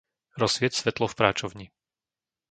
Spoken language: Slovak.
Rozsvieť svetlo v práčovni.